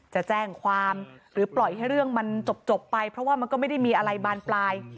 จะแจ้งความหรือปล่อยให้เรื่องมันจบไปเพราะว่ามันก็ไม่ได้มีอะไรบานปลาย